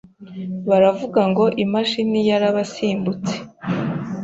baravuga ngo imashini yarabasimbutse